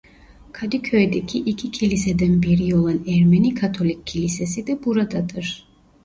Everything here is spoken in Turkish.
Kadıköy'deki iki kiliseden biri olan Ermeni Katolik Kilisesi de buradadır.